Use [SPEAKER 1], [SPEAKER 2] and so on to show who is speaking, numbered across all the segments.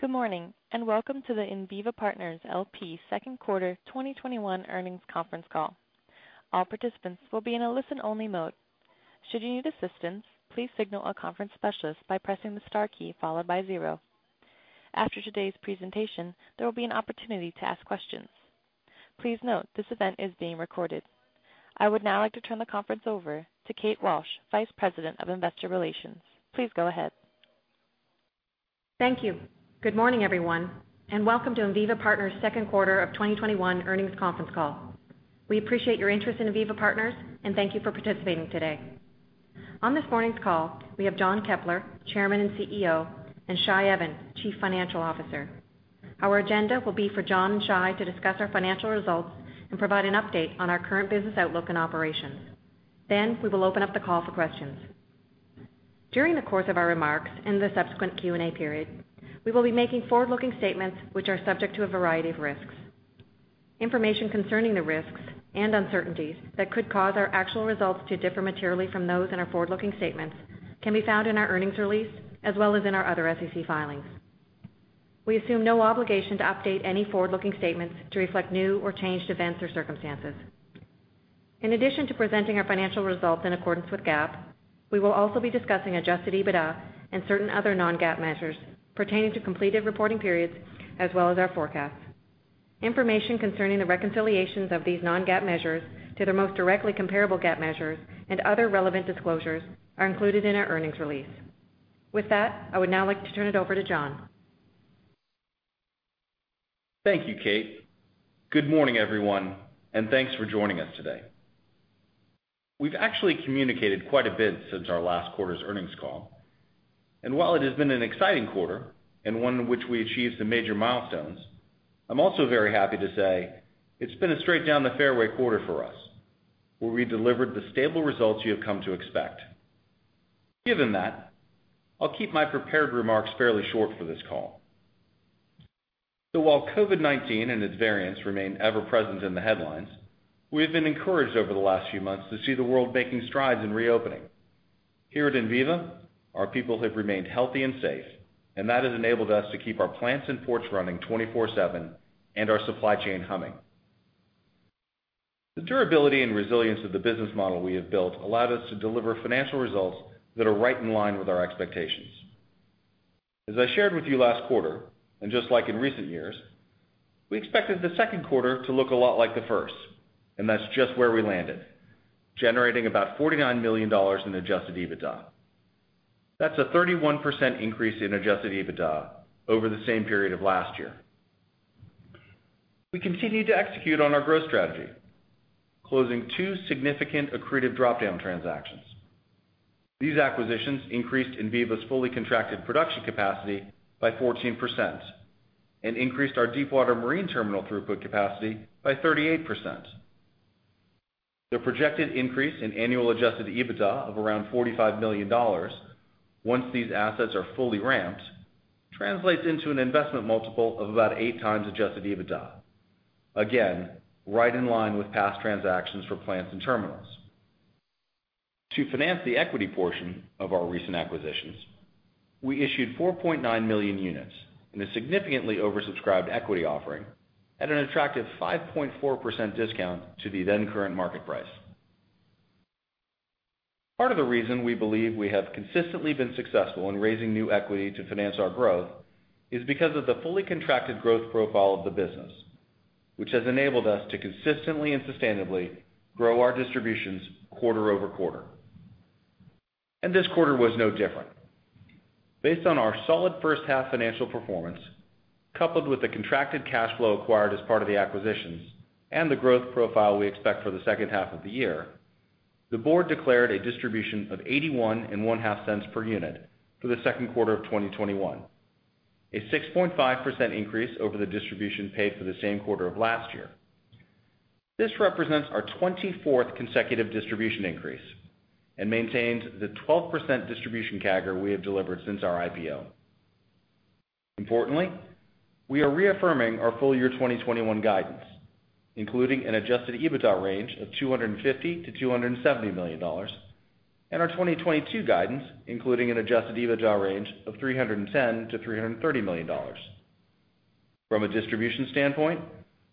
[SPEAKER 1] Good morning, and welcome to the Enviva Partners, LP second quarter 2021 earnings conference call. All participants will be in a listen-only mode. Should you need assistance, please signal a conference specialist by pressing the star key followed by zero. After today's presentation, there will be an opportunity to ask questions. Please note, this event is being recorded. I would now like to turn the conference over to Kate Walsh, Vice President of Investor Relations. Please go ahead.
[SPEAKER 2] Thank you. Good morning, everyone, and welcome to Enviva Partners' second quarter of 2021 earnings conference call. We appreciate your interest in Enviva Partners, and thank you for participating today. On this morning's call, we have John Keppler, Chairman and CEO, and Shai Even, Chief Financial Officer. Our agenda will be for John and Shai to discuss our financial results and provide an update on our current business outlook and operations. We will open up the call for questions. During the course of our remarks and the subsequent Q&A period, we will be making forward-looking statements which are subject to a variety of risks. Information concerning the risks and uncertainties that could cause our actual results to differ materially from those in our forward-looking statements can be found in our earnings release as well as in our other SEC filings. We assume no obligation to update any forward-looking statements to reflect new or changed events or circumstances. In addition to presenting our financial results in accordance with GAAP, we will also be discussing adjusted EBITDA and certain other non-GAAP measures pertaining to completed reporting periods as well as our forecasts. Information concerning the reconciliations of these non-GAAP measures to their most directly comparable GAAP measures and other relevant disclosures are included in our earnings release. With that, I would now like to turn it over to John.
[SPEAKER 3] Thank you, Kate. Good morning, everyone, thanks for joining us today. We've actually communicated quite a bit since our last quarter's earnings call. While it has been an exciting quarter and one in which we achieved some major milestones, I'm also very happy to say it's been a straight-down-the-fairway quarter for us, where we delivered the stable results you have come to expect. Given that, I'll keep my prepared remarks fairly short for this call. While COVID-19 and its variants remain ever present in the headlines, we have been encouraged over the last few months to see the world making strides in reopening. Here at Enviva, our people have remained healthy and safe, that has enabled us to keep our plants and ports running 24/7 and our supply chain humming. The durability and resilience of the business model we have built allowed us to deliver financial results that are right in line with our expectations. As I shared with you last quarter, and just like in recent years, we expected the second quarter to look a lot like the first, and that's just where we landed, generating about $49 million in adjusted EBITDA. That's a 31% increase in adjusted EBITDA over the same period of last year. We continued to execute on our growth strategy, closing two significant accretive drop-down transactions. These acquisitions increased Enviva's fully contracted production capacity by 14% and increased our deepwater marine terminal throughput capacity by 38%. The projected increase in annual adjusted EBITDA of around $45 million, once these assets are fully ramped, translates into an investment multiple of about 8x adjusted EBITDA. Again, right in line with past transactions for plants and terminals. To finance the equity portion of our recent acquisitions, we issued 4.9 million units in a significantly oversubscribed equity offering at an attractive 5.4% discount to the then current market price. Part of the reason we believe we have consistently been successful in raising new equity to finance our growth is because of the fully contracted growth profile of the business, which has enabled us to consistently and sustainably grow our distributions quarter-over-quarter. This quarter was no different. Based on our solid first half financial performance, coupled with the contracted cash flow acquired as part of the acquisitions and the growth profile we expect for the second half of the year, the board declared a distribution of $0.815 per unit for Q2 2021, a 6.5% increase over the distribution paid for the same quarter of last year. This represents our 24th consecutive distribution increase and maintains the 12% distribution CAGR we have delivered since our IPO. Importantly, we are reaffirming our full year 2021 guidance, including an adjusted EBITDA range of $250 million-$270 million, and our 2022 guidance, including an adjusted EBITDA range of $310 million-$330 million. From a distribution standpoint,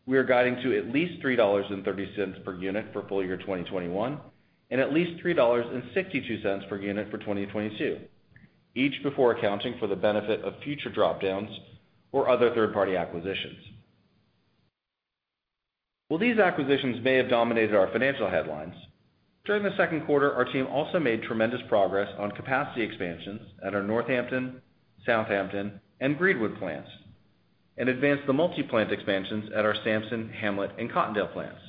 [SPEAKER 3] we are guiding to at least $3.30 per unit for full year 2021 and at least $3.62 per unit for 2022, each before accounting for the benefit of future drop-downs or other third-party acquisitions. While these acquisitions may have dominated our financial headlines, during the second quarter, our team also made tremendous progress on capacity expansions at our Northampton, Southampton, and Greenwood plants and advanced the multi-plant expansions at our Sampson, Hamlet, and Cottondale plants.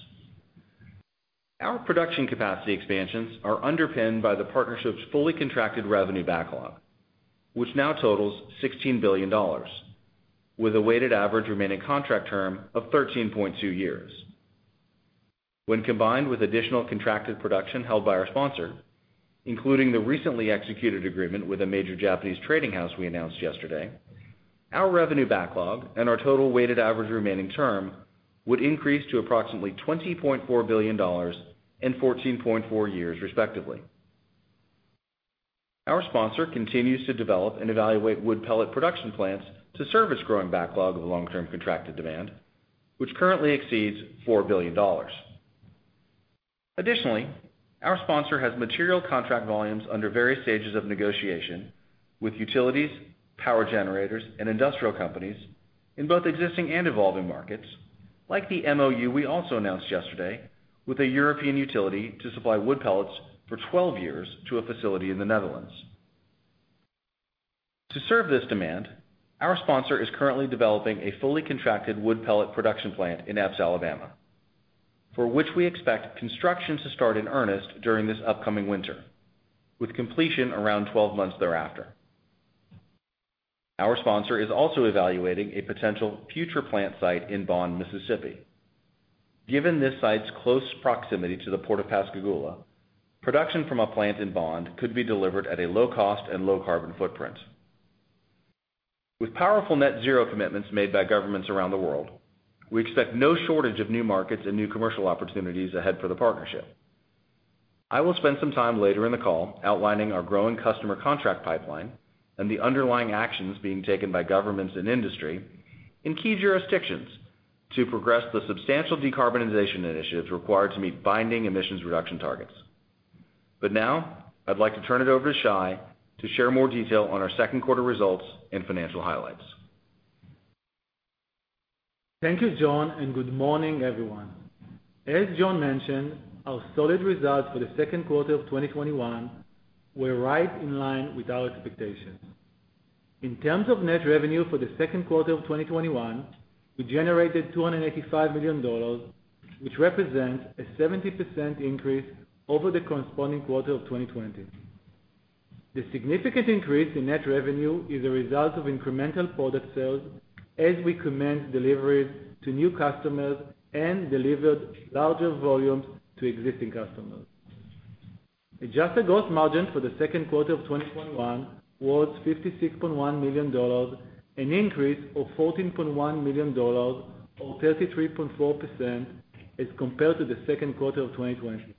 [SPEAKER 3] Our production capacity expansions are underpinned by the partnership's fully contracted revenue backlog, which now totals $16 billion, with a weighted average remaining contract term of 13.2 years. When combined with additional contracted production held by our sponsor, including the recently executed agreement with a major Japanese trading house we announced yesterday, our revenue backlog and our total weighted average remaining term would increase to approximately $20.4 billion and 14.4 years, respectively. Our sponsor continues to develop and evaluate wood pellet production plants to serve its growing backlog of long-term contracted demand, which currently exceeds $4 billion. Additionally, our sponsor has material contract volumes under various stages of negotiation with utilities, power generators, and industrial companies in both existing and evolving markets. Like the MOU we also announced yesterday with a European utility to supply wood pellets for 12 years to a facility in the Netherlands. To serve this demand, our sponsor is currently developing a fully contracted wood pellet production plant in Epes, Alabama, for which we expect construction to start in earnest during this upcoming winter, with completion around 12 months thereafter. Our sponsor is also evaluating a potential future plant site in Bond, Mississippi. Given this site's close proximity to the Port of Pascagoula, production from a plant in Bond could be delivered at a low cost and low carbon footprint. With powerful net zero commitments made by governments around the world, we expect no shortage of new markets and new commercial opportunities ahead for the partnership. I will spend some time later in the call outlining our growing customer contract pipeline and the underlying actions being taken by governments and industry in key jurisdictions to progress the substantial decarbonization initiatives required to meet binding emissions reduction targets. Now, I'd like to turn it over to Shai to share more detail on our second quarter results and financial highlights.
[SPEAKER 4] Thank you, John. Good morning, everyone. As John mentioned, our solid results for the second quarter of 2021 were right in line with our expectations. In terms of net revenue for the second quarter of 2021, we generated $285 million, which represents a 70% increase over the corresponding quarter of 2020. The significant increase in net revenue is a result of incremental product sales as we commenced deliveries to new customers and delivered larger volumes to existing customers. Adjusted gross margin for the second quarter of 2021 was $56.1 million, an increase of $14.1 million or 33.4% as compared to the second quarter of 2020.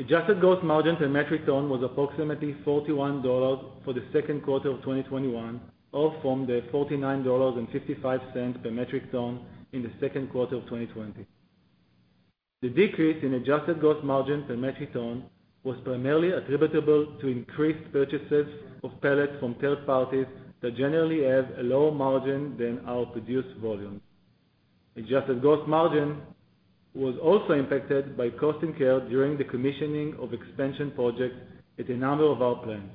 [SPEAKER 4] Adjusted gross margin per metric ton was approximately $41 for the second quarter of 2021, off from the $49.55 per metric ton in the second quarter of 2020. The decrease in adjusted gross margin per metric ton was primarily attributable to increased purchases of pellets from third parties that generally have a lower margin than our produced volumes. Adjusted gross margin was also impacted by costs incurred during the commissioning of expansion projects at a number of our plants.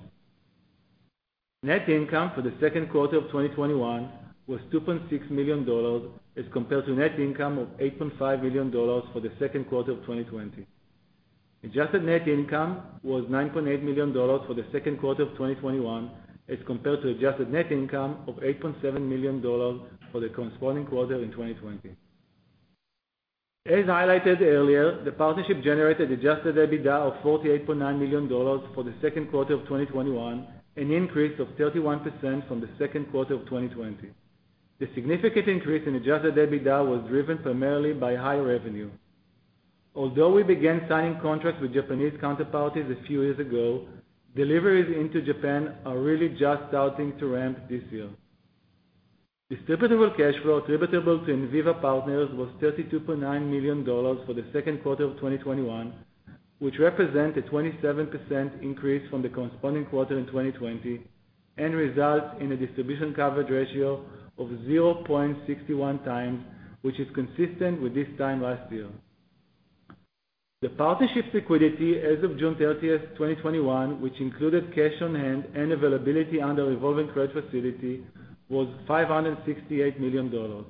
[SPEAKER 4] Net income for the second quarter of 2021 was $2.6 million as compared to net income of $8.5 million for the second quarter of 2020. Adjusted net income was $9.8 million for the second quarter of 2021 as compared to adjusted net income of $8.7 million for the corresponding quarter in 2020. As highlighted earlier, the partnership generated adjusted EBITDA of $48.9 million for the second quarter of 2021, an increase of 31% from the second quarter of 2020. The significant increase in adjusted EBITDA was driven primarily by high revenue. Although we began signing contracts with Japanese counterparties a few years ago, deliveries into Japan are really just starting to ramp this year. Distributable cash flow attributable to Enviva Partners was $32.9 million for the second quarter of 2021, which represent a 27% increase from the corresponding quarter in 2020 and result in a distribution coverage ratio of 0.61x, which is consistent with this time last year. The partnership's liquidity as of June 30th, 2021, which included cash on hand and availability under revolving credit facility, was $568 million.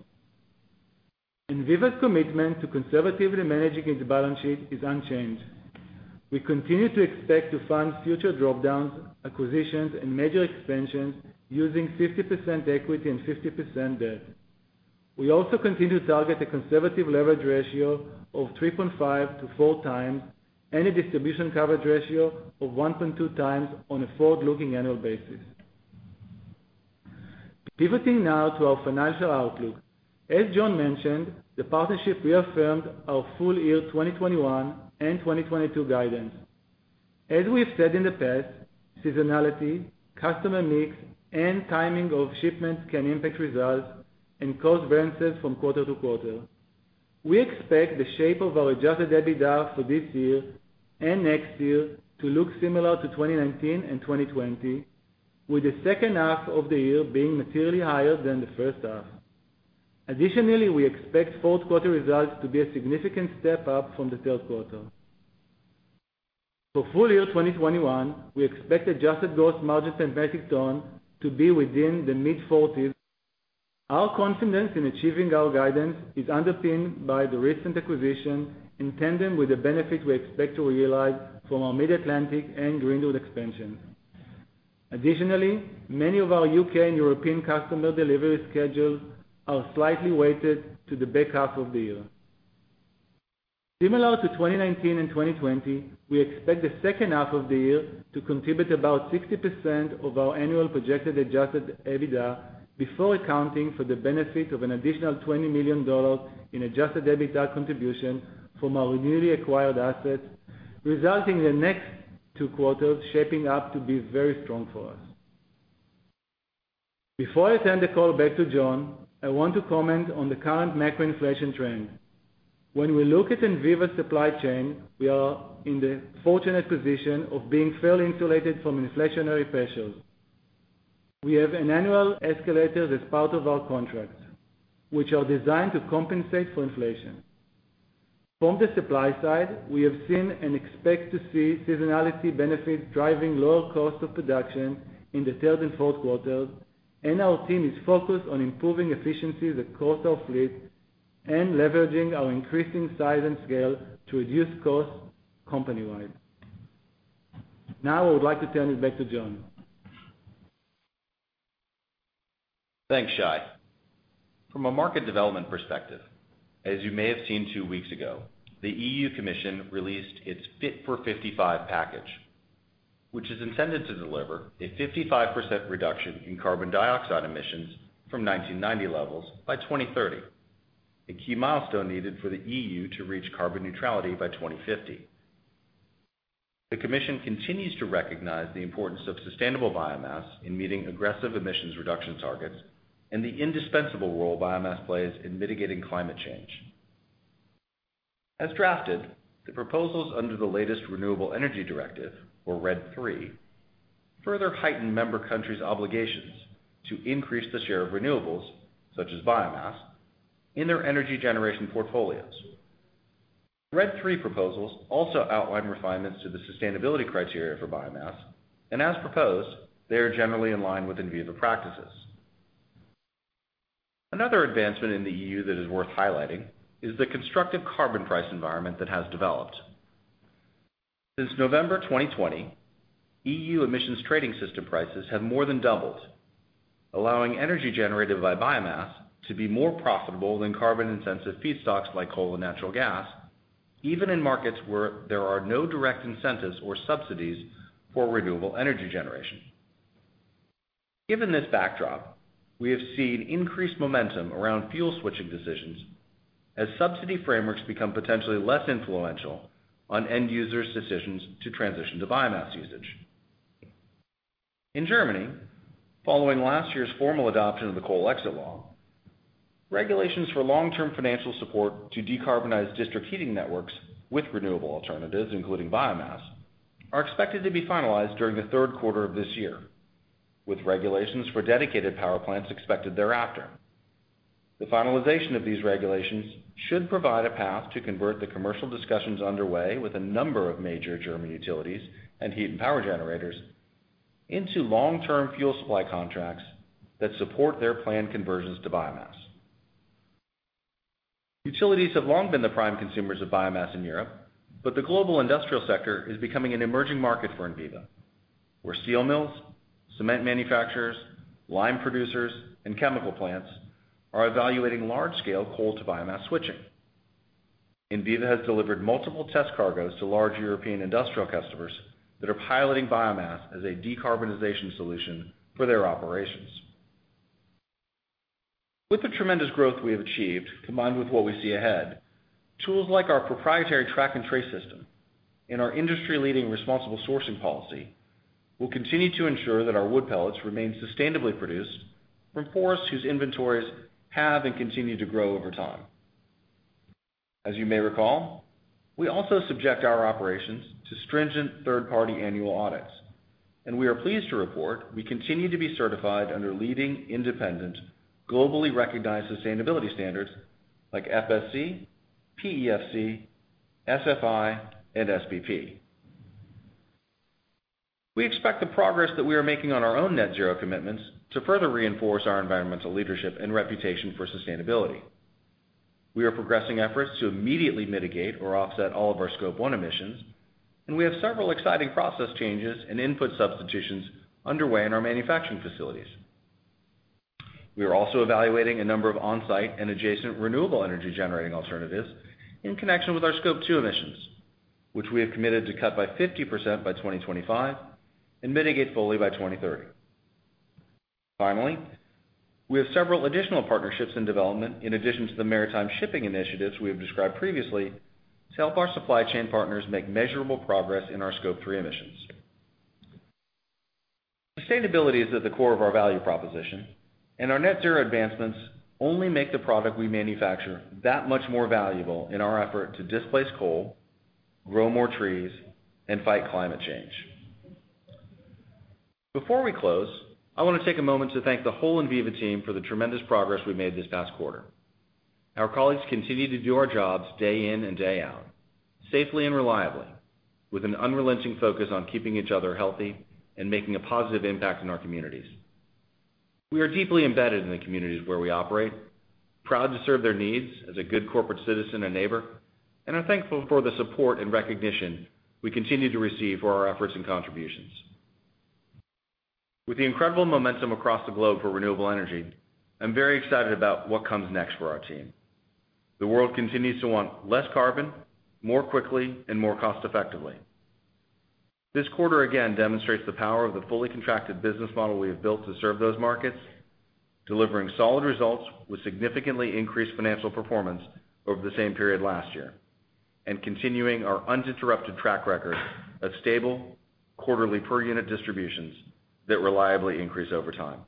[SPEAKER 4] Enviva's commitment to conservatively managing its balance sheet is unchanged. We continue to expect to fund future drop-downs, acquisitions, and major expansions using 50% equity and 50% debt. We also continue to target a conservative leverage ratio of 3.5x-4x any distribution coverage ratio of 1.2x on a forward-looking annual basis. Pivoting now to our financial outlook. As John mentioned, the partnership reaffirmed our full year 2021 and 2022 guidance. As we've said in the past, seasonality, customer mix, and timing of shipments can impact results and cause variances from quarter to quarter. We expect the shape of our adjusted EBITDA for this year and next year to look similar to 2019 and 2020, with the second half of the year being materially higher than the first half. Additionally, we expect fourth quarter results to be a significant step-up from the third quarter. For full year 2021, we expect adjusted gross margins and metric ton to be within the mid-forties. Our confidence in achieving our guidance is underpinned by the recent acquisition in tandem with the benefit we expect to realize from our Mid-Atlantic and Greenwood expansions. Additionally, many of our U.K. and European customer delivery schedules are slightly weighted to the back half of the year. Similar to 2019 and 2020, we expect the second half of the year to contribute about 60% of our annual projected adjusted EBITDA before accounting for the benefit of an additional $20 million in adjusted EBITDA contribution from our newly acquired assets, resulting in the next two quarters shaping up to be very strong for us. Before I turn the call back to John, I want to comment on the current macro inflation trend. When we look at Enviva's supply chain, we are in the fortunate position of being fairly insulated from inflationary pressures. We have an annual escalator as part of our contracts, which are designed to compensate for inflation. From the supply side, we have seen and expect to see seasonality benefits driving lower cost of production in the third and fourth quarters. Our team is focused on improving efficiencies across our fleet and leveraging our increasing size and scale to reduce costs company-wide. I would like to turn it back to John.
[SPEAKER 3] Thanks, Shai. From a market development perspective, as you may have seen two weeks ago, the EU Commission released its Fit for 55 package, which is intended to deliver a 55% reduction in carbon dioxide emissions from 1990 levels by 2030, a key milestone needed for the EU to reach carbon neutrality by 2050. The Commission continues to recognize the importance of sustainable biomass in meeting aggressive emissions reduction targets and the indispensable role biomass plays in mitigating climate change. As drafted, the proposals under the latest Renewable Energy Directive, or RED III, further heighten member countries' obligations to increase the share of renewables, such as biomass, in their energy generation portfolios. RED III proposals also outline refinements to the sustainability criteria for biomass, and as proposed, they are generally in line with Enviva practices. Another advancement in the EU that is worth highlighting is the constructive carbon price environment that has developed. Since November 2020, EU Emissions Trading System prices have more than doubled, allowing energy generated by biomass to be more profitable than carbon-intensive feedstocks like coal and natural gas, even in markets where there are no direct incentives or subsidies for renewable energy generation. Given this backdrop, we have seen increased momentum around fuel switching decisions as subsidy frameworks become potentially less influential on end users' decisions to transition to biomass usage. In Germany, following last year's formal adoption of the Coal Exit Law, regulations for long-term financial support to decarbonize district heating networks with renewable alternatives, including biomass, are expected to be finalized during the third quarter of this year, with regulations for dedicated power plants expected thereafter. The finalization of these regulations should provide a path to convert the commercial discussions underway with a number of major German utilities and heat and power generators into long-term fuel supply contracts that support their planned conversions to biomass. Utilities have long been the prime consumers of biomass in Europe, but the global industrial sector is becoming an emerging market for Enviva, where steel mills, cement manufacturers, lime producers, and chemical plants are evaluating large-scale coal-to-biomass switching. Enviva has delivered multiple test cargoes to large European industrial customers that are piloting biomass as a decarbonization solution for their operations. With the tremendous growth we have achieved, combined with what we see ahead, tools like our proprietary Track & Trace system and our industry-leading responsible sourcing policy will continue to ensure that our wood pellets remain sustainably produced from forests whose inventories have and continue to grow over time. As you may recall, we also subject our operations to stringent third-party annual audits, and we are pleased to report we continue to be certified under leading, independent, globally recognized sustainability standards like FSC, PEFC, SFI, and SBP. We expect the progress that we are making on our own net zero commitments to further reinforce our environmental leadership and reputation for sustainability. We are progressing efforts to immediately mitigate or offset all of our Scope 1 emissions, and we have several exciting process changes and input substitutions underway in our manufacturing facilities. We are also evaluating a number of on-site and adjacent renewable energy-generating alternatives in connection with our Scope 2 emissions, which we have committed to cut by 50% by 2025 and mitigate fully by 2030. Finally, we have several additional partnerships in development in addition to the maritime shipping initiatives we have described previously to help our supply chain partners make measurable progress in our Scope 3 emissions. Sustainability is at the core of our value proposition, and our net zero advancements only make the product we manufacture that much more valuable in our effort to displace coal, grow more trees, and fight climate change. Before we close, I want to take a moment to thank the whole Enviva team for the tremendous progress we made this past quarter. Our colleagues continue to do our jobs day in and day out, safely and reliably, with an unrelenting focus on keeping each other healthy and making a positive impact in our communities. We are deeply embedded in the communities where we operate, proud to serve their needs as a good corporate citizen and neighbor, and are thankful for the support and recognition we continue to receive for our efforts and contributions. With the incredible momentum across the globe for renewable energy, I'm very excited about what comes next for our team. The world continues to want less carbon, more quickly, and more cost-effectively. This quarter again demonstrates the power of the fully contracted business model we have built to serve those markets, delivering solid results with significantly increased financial performance over the same period last year. Continuing our uninterrupted track record of stable quarterly per unit distributions that reliably increase over time.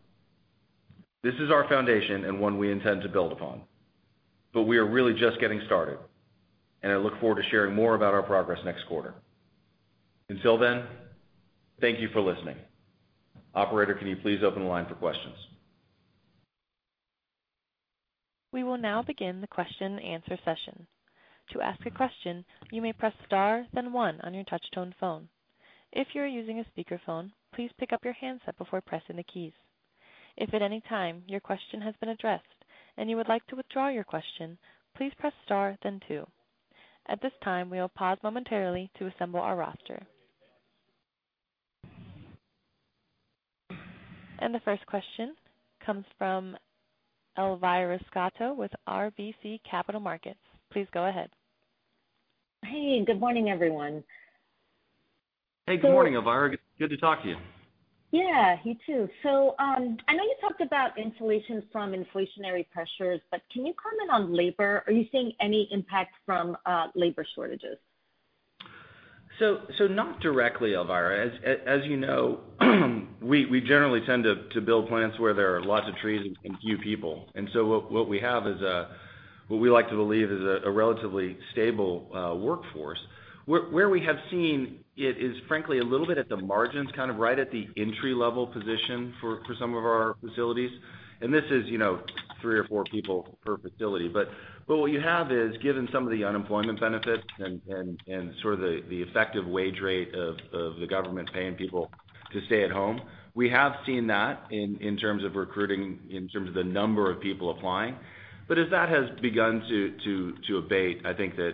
[SPEAKER 3] This is our foundation and one we intend to build upon. We are really just getting started, and I look forward to sharing more about our progress next quarter. Until then, thank you for listening. Operator, can you please open the line for questions?
[SPEAKER 1] The first question comes from Elvira Scotto with RBC Capital Markets. Please go ahead.
[SPEAKER 5] Hey, good morning, everyone.
[SPEAKER 3] Hey, good morning, Elvira. Good to talk to you.
[SPEAKER 5] Yeah, you too. I know you talked about insulation from inflationary pressures, but can you comment on labor? Are you seeing any impact from labor shortages?
[SPEAKER 3] Not directly, Elvira. As you know, we generally tend to build plants where there are lots of trees and few people. What we like to believe is a relatively stable workforce. Where we have seen it is frankly a little bit at the margins, kind of right at the entry-level position for some of our facilities, and this is three or four people per facility. What you have is, given some of the unemployment benefits and sort of the effective wage rate of the government paying people to stay at home, we have seen that in terms of recruiting, in terms of the number of people applying. As that has begun to abate, I think that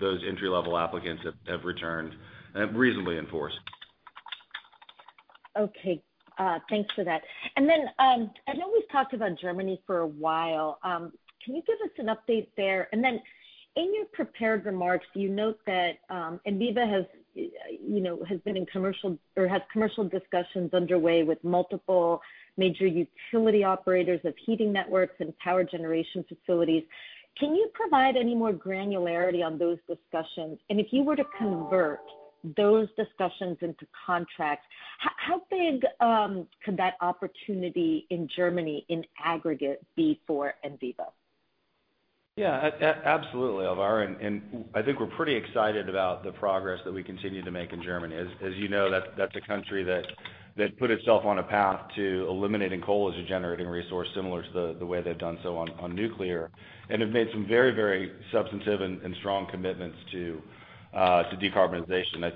[SPEAKER 3] those entry-level applicants have returned and have reasonably enforced.
[SPEAKER 5] Okay. Thanks for that. I know we've talked about Germany for a while. Can you give us an update there? In your prepared remarks, you note that Enviva has been in commercial or has commercial discussions underway with multiple major utility operators of heating networks and power generation facilities. Can you provide any more granularity on those discussions? If you were to convert those discussions into contracts, how big could that opportunity in Germany in aggregate be for Enviva?
[SPEAKER 3] Absolutely, Elvira, I think we're pretty excited about the progress that we continue to make in Germany. As you know, that's a country that put itself on a path to eliminating coal as a generating resource, similar to the way they've done so on nuclear, and have made some very, very substantive and strong commitments to decarbonization. I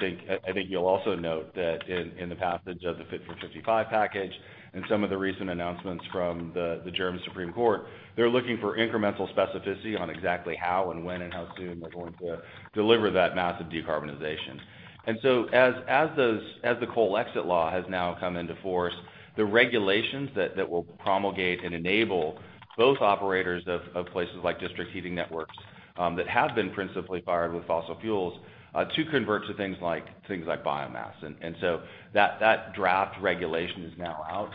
[SPEAKER 3] think you'll also note that in the passage of the Fit for 55 package and some of the recent announcements from the Federal Constitutional Court, they're looking for incremental specificity on exactly how and when and how soon they're going to deliver that massive decarbonization. As the coal exit law has now come into force, the regulations that will promulgate and enable both operators of places like district heating networks, that have been principally fired with fossil fuels, to convert to things like biomass. That draft regulation is now out.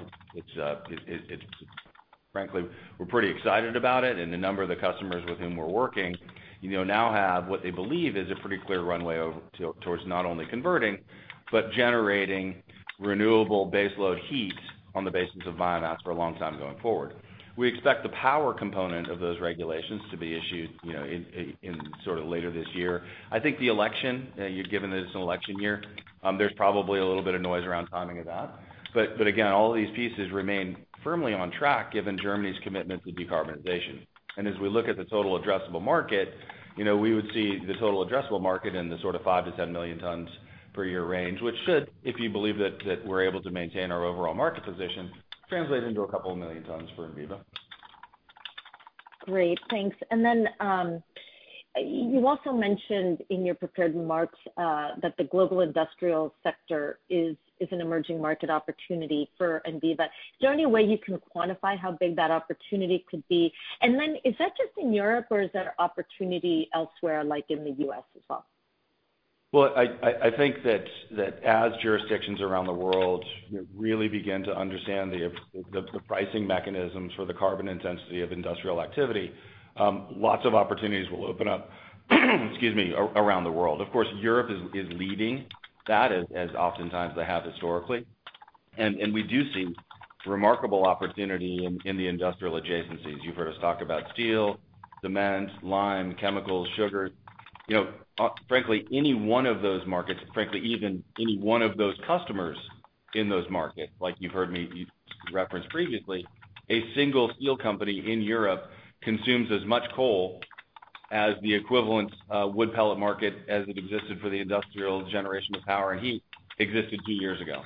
[SPEAKER 3] Frankly, we're pretty excited about it. The number of the customers with whom we're working now have what they believe is a pretty clear runway towards not only converting, but generating renewable baseload heat on the basis of biomass for a long time going forward. We expect the power component of those regulations to be issued later this year. I think the election, given that it's an election year, there's probably a little bit of noise around timing of that. Again, all of these pieces remain firmly on track given Germany's commitment to decarbonization. As we look at the total addressable market, we would see the total addressable market in the sort of 5 million to 7 million tons per year range, which should, if you believe that we're able to maintain our overall market position, translate into a couple of million tons for Enviva.
[SPEAKER 5] Great, thanks. You also mentioned in your prepared remarks that the global industrial sector is an emerging market opportunity for Enviva. Is there any way you can quantify how big that opportunity could be? Is that just in Europe or is there opportunity elsewhere, like in the U.S. as well?
[SPEAKER 3] Well, I think that as jurisdictions around the world really begin to understand the pricing mechanisms for the carbon intensity of industrial activity, lots of opportunities will open up, excuse me, around the world. Of course, Europe is leading that as oftentimes they have historically, and we do see remarkable opportunity in the industrial adjacencies. You've heard us talk about steel demand, lime, chemicals, sugar. Frankly, any one of those markets, even any one of those customers in those markets, like you've heard me reference previously, a single steel company in Europe consumes as much coal as the equivalent wood pellet market as it existed for the industrial generation of power and heat existed key years ago.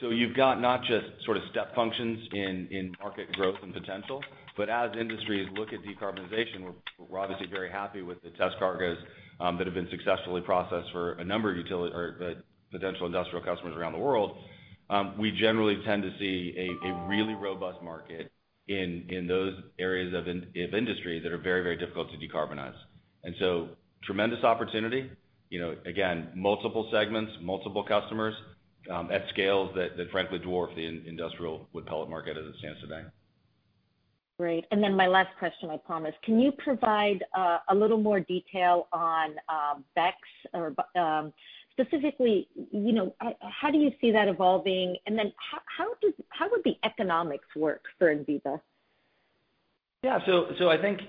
[SPEAKER 3] You've got not just sort of step functions in market growth and potential, but as industries look at decarbonization, we're obviously very happy with the test cargoes that have been successfully processed for a number of potential industrial customers around the world. We generally tend to see a really robust market in those areas of industry that are very, very difficult to decarbonize. Tremendous opportunity. Again, multiple segments, multiple customers, at scales that frankly dwarf the industrial wood pellet market as it stands today.
[SPEAKER 5] Great. My last question, I promise. Can you provide a little more detail on BECCS? Specifically, how do you see that evolving, and then how would the economics work for Enviva?
[SPEAKER 3] I think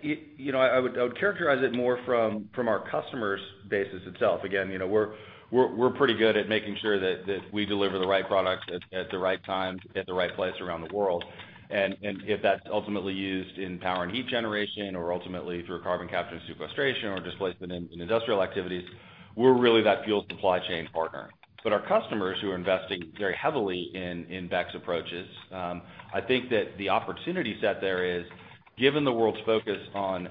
[SPEAKER 3] I would characterize it more from our customer's basis itself. Again, we're pretty good at making sure that we deliver the right products at the right time, at the right place around the world. If that's ultimately used in power and heat generation, or ultimately through carbon capture and sequestration or displacement in industrial activities, we're really that fuel supply chain partner. Our customers who are investing very heavily in BECCS approaches, I think that the opportunity set there is, given the world's focus on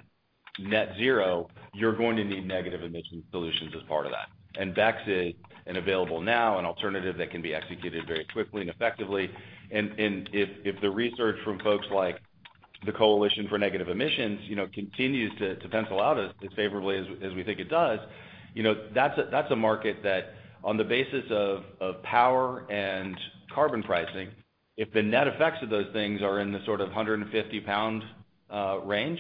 [SPEAKER 3] net zero, you're going to need negative emissions solutions as part of that. BECCS is, and available now, an alternative that can be executed very quickly and effectively. If the research from folks like the Coalition for Negative Emissions continues to pencil out as favorably as we think it does, that's a market that, on the basis of power and carbon pricing, if the net effects of those things are in the sort of 150 pound range,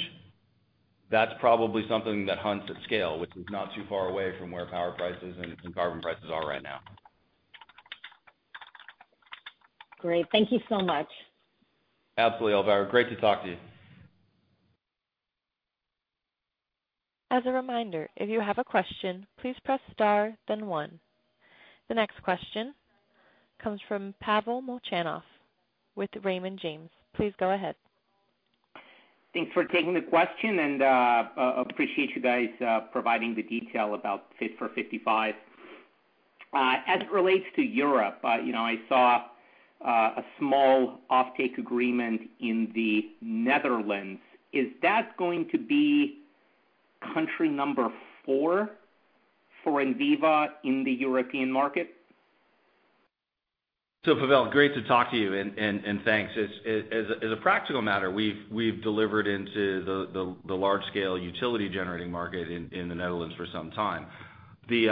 [SPEAKER 3] that's probably something that hunts at scale, which is not too far away from where power prices and carbon prices are right now.
[SPEAKER 5] Great. Thank you so much.
[SPEAKER 3] Absolutely, Elvira. Great to talk to you.
[SPEAKER 1] As a reminder, if you have a question, please press star then one. The next question comes from Pavel Molchanov with Raymond James. Please go ahead.
[SPEAKER 6] Thanks for taking the question, and appreciate you guys providing the detail about Fit for 55. As it relates to Europe, I saw a small offtake agreement in the Netherlands. Is that going to be country number four for Enviva in the European market?
[SPEAKER 3] Pavel, great to talk to you, and thanks. As a practical matter, we've delivered into the large-scale utility generating market in the Netherlands for some time. The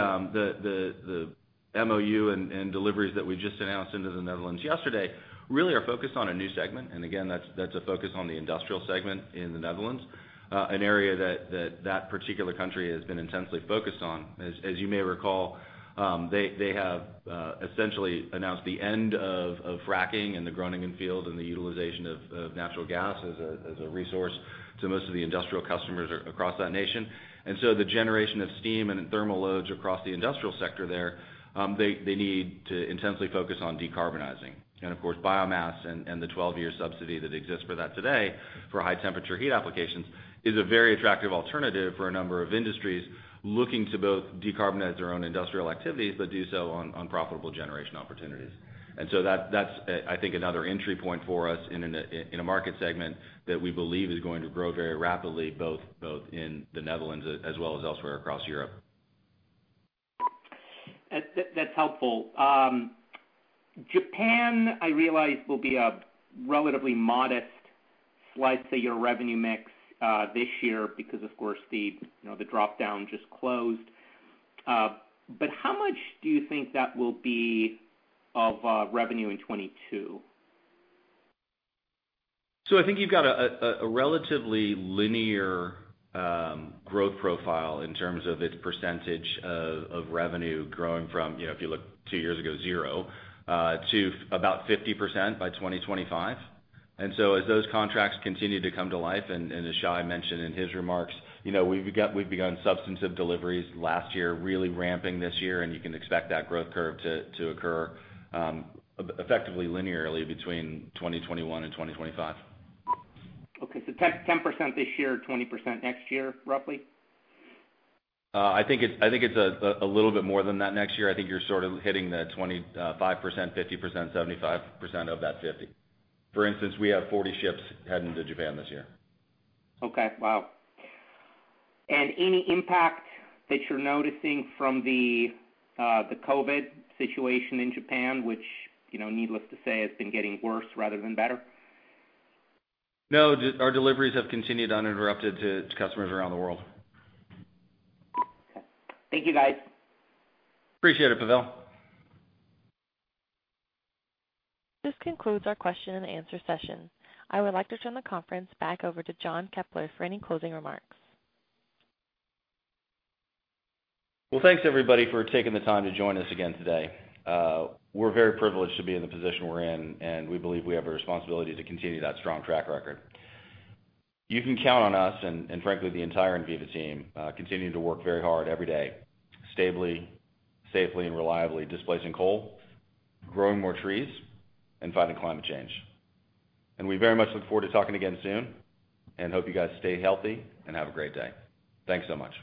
[SPEAKER 3] MOU and deliveries that we just announced into the Netherlands yesterday really are focused on a new segment. Again, that's a focus on the industrial segment in the Netherlands. An area that that particular country has been intensely focused on. As you may recall, they have essentially announced the end of fracking in the Groningen field and the utilization of natural gas as a resource to most of the industrial customers across that nation. The generation of steam and thermal loads across the industrial sector there, they need to intensely focus on decarbonizing. Of course, biomass and the 12-year subsidy that exists for that today for high-temperature heat applications is a very attractive alternative for a number of industries looking to both decarbonize their own industrial activities, but do so on profitable generation opportunities. That's, I think, another entry point for us in a market segment that we believe is going to grow very rapidly, both in the Netherlands as well as elsewhere across Europe.
[SPEAKER 6] That's helpful. Japan, I realize, will be a relatively modest slice of your revenue mix this year because, of course, the drop-down just closed. How much do you think that will be of revenue in 2022?
[SPEAKER 3] I think you've got a relatively linear growth profile in terms of its percentage of revenue growing from, if you look two years ago, zero, to about 50% by 2025. As those contracts continue to come to life, and as Shai mentioned in his remarks, we've begun substantive deliveries last year, really ramping this year. You can expect that growth curve to occur effectively linearly between 2021 and 2025.
[SPEAKER 6] Okay. 10% this year, 20% next year, roughly?
[SPEAKER 3] I think it's a little bit more than that next year. I think you're sort of hitting the 25%, 50%, 75% of that 50%. We have 40 ships heading to Japan this year.
[SPEAKER 6] Okay. Wow. Any impact that you're noticing from the COVID situation in Japan, which, needless to say, has been getting worse rather than better?
[SPEAKER 3] No. Our deliveries have continued uninterrupted to customers around the world.
[SPEAKER 6] Okay. Thank you, guys.
[SPEAKER 3] Appreciate it, Pavel.
[SPEAKER 1] This concludes our question and answer session. I would like to turn the conference back over to John Keppler for any closing remarks.
[SPEAKER 3] Well, thanks everybody for taking the time to join us again today. We're very privileged to be in the position we're in, and we believe we have a responsibility to continue that strong track record. You can count on us, and frankly the entire Enviva team, continuing to work very hard every day, stably, safely, and reliably displacing coal, growing more trees, and fighting climate change. We very much look forward to talking again soon and hope you guys stay healthy and have a great day. Thanks so much.